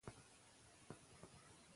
کار د زده کړې له لارې لا اغېزمن کېږي